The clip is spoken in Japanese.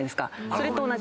それと同じ。